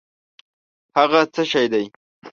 هٔغه څه شی دی؟